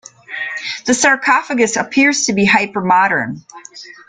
The sarcophagus appears to be hyper-modern.